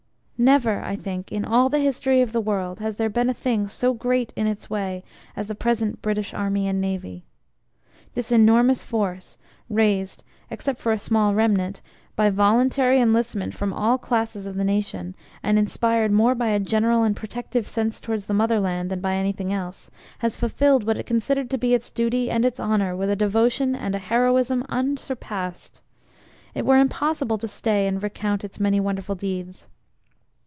Never I think in all the history of the world has there been a thing so great in its way as the present British Army and Navy. This enormous force, raised except for a small remnant by Voluntary enlistment from all classes of the nation, and inspired more by a general and protective sense towards the Motherland than by anything else, has fulfilled what it considered to be its duty and its honour with a devotion and a heroism unsurpassed. It were impossible to stay and recount its many wonderful deeds.